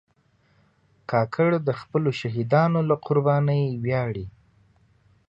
کاکړ د خپلو شهیدانو له قربانۍ ویاړي.